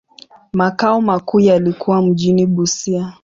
Makao makuu yalikuwa mjini Busia.